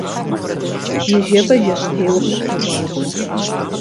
Ныжэбэ жэщтеуэ къыстеуащ.